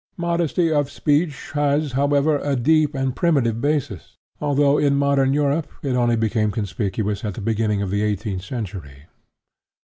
Modesty of speech has, however, a deep and primitive basis, although in modern Europe it only became conspicuous at the beginning of the eighteenth century.